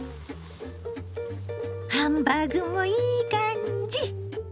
ハンバーグもいい感じ！